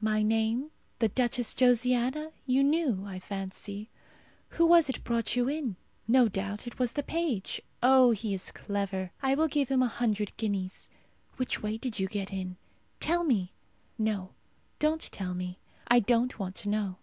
My name, the Duchess Josiana, you knew, I fancy. Who was it brought you in? No doubt it was the page. Oh, he is clever! I will give him a hundred guineas. Which way did you get in? Tell me! No, don't tell me; I don't want to know.